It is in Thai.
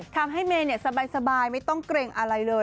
ทำให้เมย์สบายไม่ต้องเกรงอะไรเลย